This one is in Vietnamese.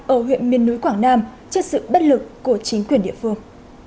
ở huyện miền núi quảng nam trước sự bất lực của chính quyền địa phương